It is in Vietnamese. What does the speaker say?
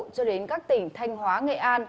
cho đến các tỉnh thanh hóa nghệ an